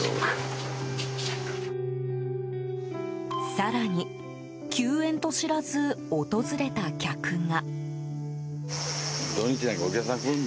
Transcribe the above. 更に、休園と知らず訪れた客が。